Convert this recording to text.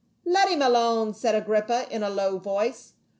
"Let him alone," said Agrippa in a low voice.